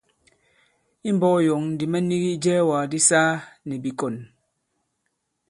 I mbɔ̄k yɔ̌ŋ ndī mɛ nigi ijɛɛwàk di saa nì bìkɔ̀n.